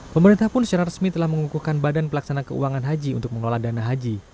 pemerintah pun secara resmi telah mengukuhkan badan pelaksana keuangan haji untuk mengelola dana haji